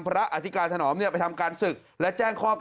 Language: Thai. อาวาสมีการฝังมุกอาวาสมีการฝังมุกอาวาสมีการฝังมุก